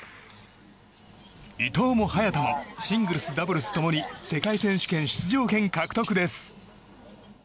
伊藤も早田もシングルス、ダブルス共に世界選手権出場権を獲得です。